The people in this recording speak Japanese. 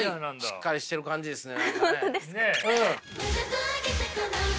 しっかりしてる感じですね。